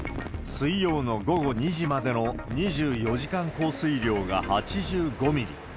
水曜の午後２時までの２４時間降水量が８５ミリ。